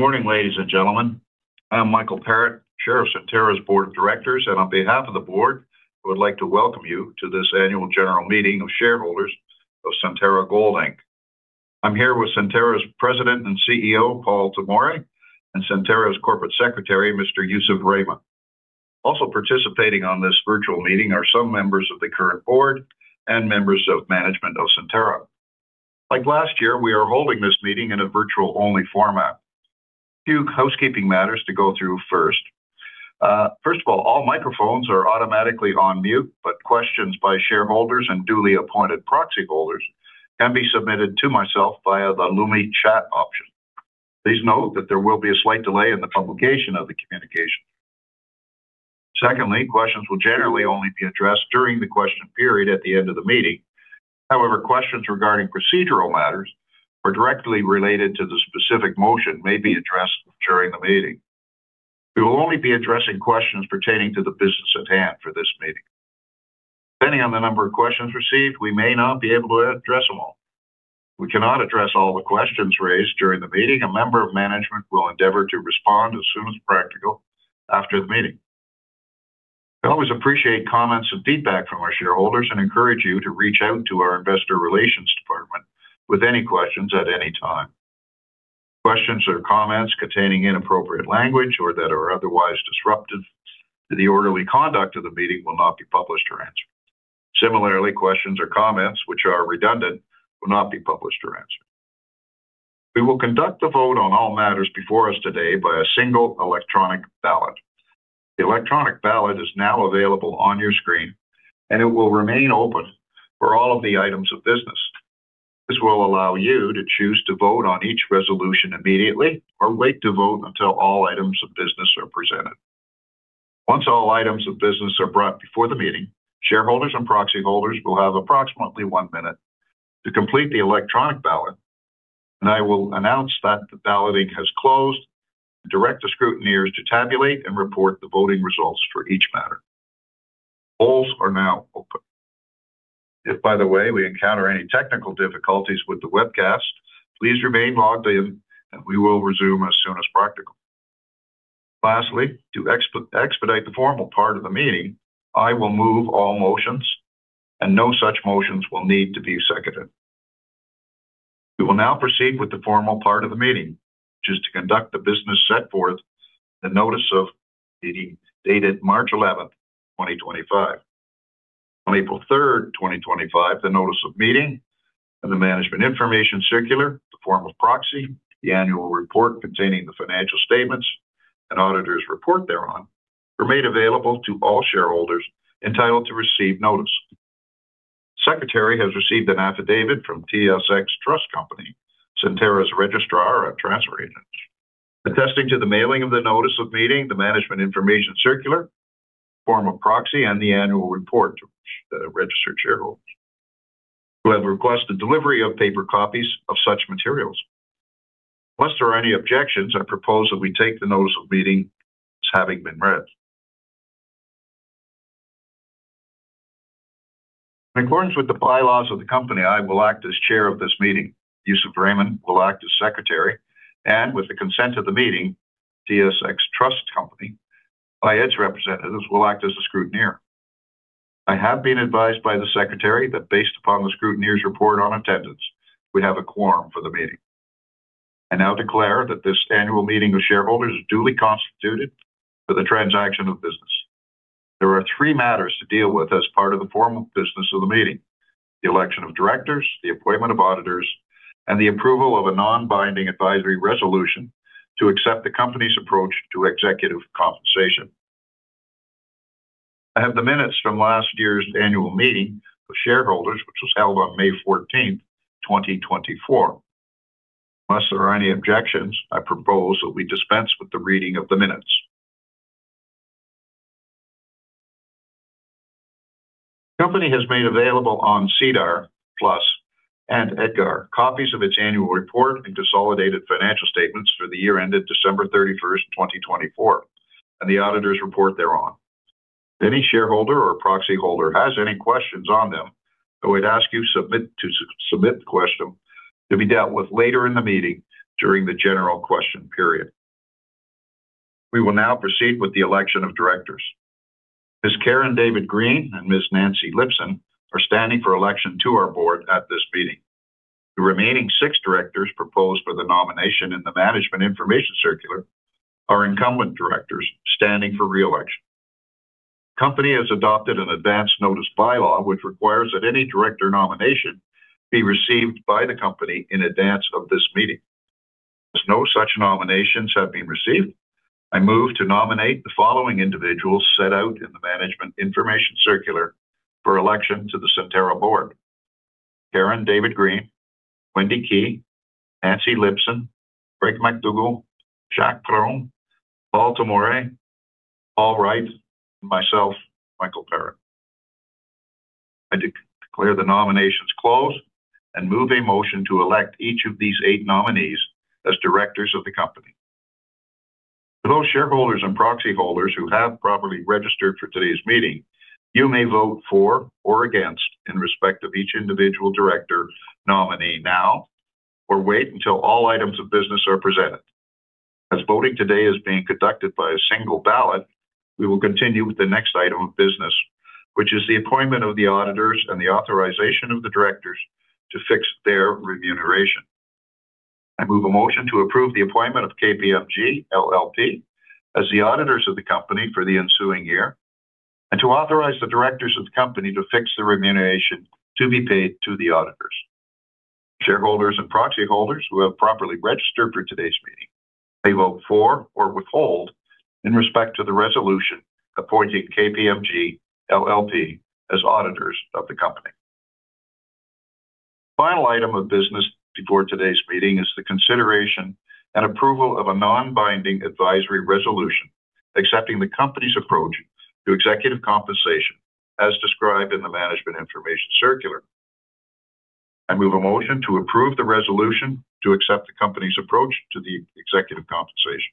Good morning, ladies and gentlemen. I'm Michael Parrett, Chair of Centerra's Board of Directors, and on behalf of the board, I would like to welcome you to this annual general meeting of shareholders of Centerra Gold. I'm here with Centerra's President and CEO, Paul Tomory, and Centerra's Corporate Secretary, Mr. Yousef Rehman. Also participating on this virtual meeting are some members of the current Board and members of management of Centerra. Like last year, we are holding this meeting in a virtual-only format. A few housekeeping matters to go through first. First of all, all microphones are automatically on mute, but questions by shareholders and duly appointed proxy holders can be submitted to myself via the Lumi chat option. Please note that there will be a slight delay in the publication of the communication. Secondly, questions will generally only be addressed during the question period at the end of the meeting. However, questions regarding procedural matters or directly related to the specific motion may be addressed during the meeting. We will only be addressing questions pertaining to the business at hand for this meeting. Depending on the number of questions received, we may not be able to address them all. We cannot address all the questions raised during the meeting. A member of management will endeavor to respond as soon as practical after the meeting. We always appreciate comments and feedback from our shareholders and encourage you to reach out to our Investor Relations Department with any questions at any time. Questions or comments containing inappropriate language or that are otherwise disruptive to the orderly conduct of the meeting will not be published or answered. Similarly, questions or comments which are redundant will not be published or answered. We will conduct the vote on all matters before us today by a single electronic ballot. The electronic ballot is now available on your screen, and it will remain open for all of the items of business. This will allow you to choose to vote on each resolution immediately or wait to vote until all items of business are presented. Once all items of business are brought before the meeting, shareholders and proxy holders will have approximately one minute to complete the electronic ballot, and I will announce that the balloting has closed and direct the scrutineers to tabulate and report the voting results for each matter. Polls are now open. If, by the way, we encounter any technical difficulties with the webcast, please remain logged in, and we will resume as soon as practical. Lastly, to expedite the formal part of the meeting, I will move all motions, and no such motions will need to be executed. We will now proceed with the formal part of the meeting, which is to conduct the business set forth in the notice of meeting dated March 11th, 2025. On April 3rd, 2025, the notice of meeting and the management information circular, the form of proxy, the annual report containing the financial statements and auditor's report thereon were made available to all shareholders entitled to receive notice. The Secretary has received an affidavit from TSX Trust Company, Centerra's registrar of transfer agents, attesting to the mailing of the notice of meeting, the management information circular, the form of proxy, and the annual report to registered shareholders. We have requested delivery of paper copies of such materials. Unless there are any objections, I propose that we take the notice of meeting as having been read. In accordance with the bylaws of the company, I will act as Chair of this meeting. Yousef Rehman will act as Secretary, and with the consent of the meeting, TSX Trust Company by its representatives will act as the scrutineer. I have been advised by the Secretary that based upon the scrutineer's report on attendance, we have a quorum for the meeting. I now declare that this annual meeting of shareholders is duly constituted for the transaction of business. There are three matters to deal with as part of the formal business of the meeting: the election of directors, the appointment of auditors, and the approval of a non-binding advisory resolution to accept the company's approach to executive compensation. I have the minutes from last year's annual meeting of shareholders, which was held on May 14th, 2024. Unless there are any objections, I propose that we dispense with the reading of the minutes. The company has made available on SEDAR+ and EDGAR copies of its annual report and consolidated financial statements for the year ended December 31st, 2024, and the auditor's report thereon. If any shareholder or proxy holder has any questions on them, I would ask you to submit the question to be dealt with later in the meeting during the general question period. We will now proceed with the election of directors. Ms. Karen David Green and Ms. Nancy Lipson are standing for election to our board at this meeting. The remaining six directors proposed for the nomination in the management information circular are incumbent directors standing for reelection. The company has adopted an advance notice bylaw which requires that any director nomination be received by the company in advance of this meeting. As no such nominations have been received, I move to nominate the following individuals set out in the management information circular for election to the Centerra Board: Karen David Green, Wendy Key, Nancy Lipson, Craig MacDougall, Jacques Perrin, Paul Tomory, Paul Wright, and myself, Michael Parrett, and declare the nominations closed and move a motion to elect each of these eight nominees as directors of the company. To those shareholders and proxy holders who have properly registered for today's meeting, you may vote for or against in respect of each individual director nominee now or wait until all items of business are presented. As voting today is being conducted by a single ballot, we will continue with the next item of business, which is the appointment of the auditors and the authorization of the directors to fix their remuneration. I move a motion to approve the appointment of KPMG LLP as the auditors of the company for the ensuing year and to authorize the directors of the company to fix the remuneration to be paid to the auditors. Shareholders and proxy holders who have properly registered for today's meeting may vote for or withhold in respect to the resolution appointing KPMG LLP as auditors of the company. The final item of business before today's meeting is the consideration and approval of a non-binding advisory resolution accepting the company's approach to executive compensation as described in the management information circular. I move a motion to approve the resolution to accept the company's approach to the executive compensation.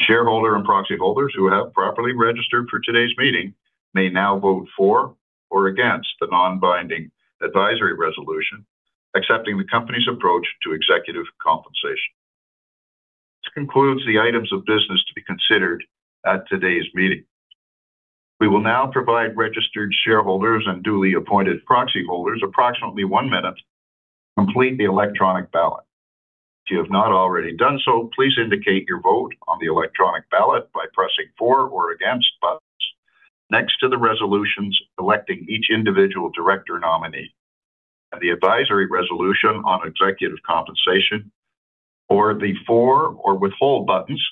Shareholders and proxy holders who have properly registered for today's meeting may now vote for or against the non-binding advisory resolution accepting the company's approach to executive compensation. This concludes the items of business to be considered at today's meeting. We will now provide registered shareholders and duly appointed proxy holders approximately one minute to complete the electronic ballot. If you have not already done so, please indicate your vote on the electronic ballot by pressing for or against buttons next to the resolutions electing each individual director nominee and the advisory resolution on executive compensation or the for or withhold buttons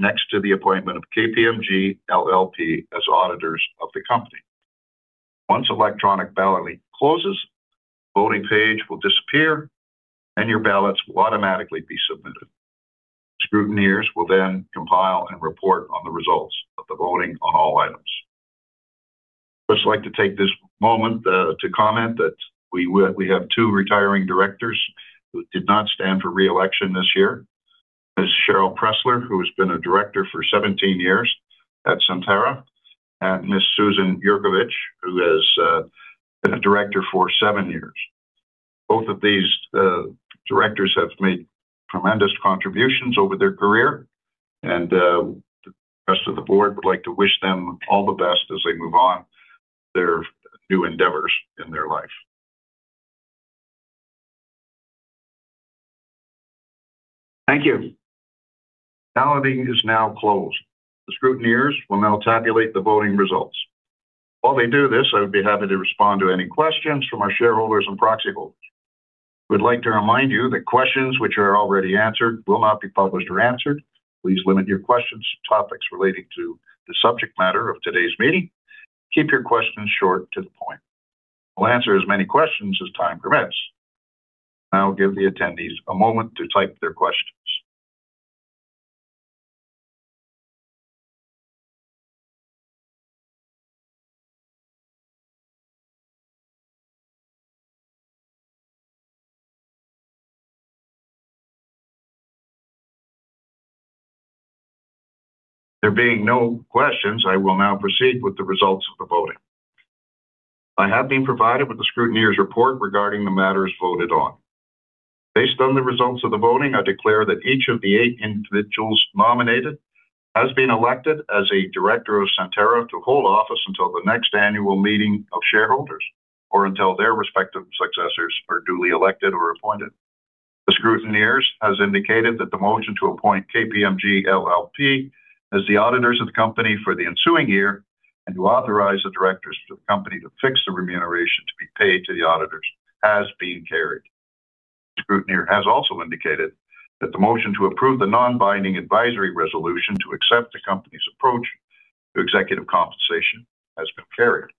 next to the appointment of KPMG LLP as auditors of the company. Once the electronic ballot closes, the voting page will disappear and your ballots will automatically be submitted. Scrutineers will then compile and report on the results of the voting on all items. I'd just like to take this moment to comment that we have two retiring directors who did not stand for reelection this year: Ms. Cheryl Pressler, who has been a director for 17 years at Centerra, and Ms. Susan Jurkiewicz, who has been a director for seven years. Both of these directors have made tremendous contributions over their career, and the rest of the Board would like to wish them all the best as they move on with their new endeavors in their life. Thank you. The balloting is now closed. The scrutineers will now tabulate the voting results. While they do this, I would be happy to respond to any questions from our shareholders and proxy holders. We'd like to remind you that questions which are already answered will not be published or answered. Please limit your questions to topics relating to the subject matter of today's meeting. Keep your questions short to the point. We'll answer as many questions as time permits. Now, give the attendees a moment to type their questions. There being no questions, I will now proceed with the results of the voting. I have been provided with the scrutineer's report regarding the matters voted on. Based on the results of the voting, I declare that each of the eight individuals nominated has been elected as a director of Centerra to hold office until the next annual meeting of shareholders or until their respective successors are duly elected or appointed. The scrutineers have indicated that the motion to appoint KPMG LLP as the auditors of the company for the ensuing year and to authorize the directors of the company to fix the remuneration to be paid to the auditors has been carried. The scrutineer has also indicated that the motion to approve the non-binding advisory resolution to accept the company's approach to executive compensation has been carried.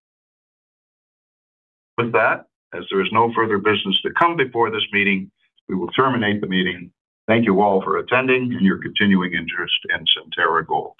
With that, as there is no further business to come before this meeting, we will terminate the meeting. Thank you all for attending and your continuing interest in Centerra Gold.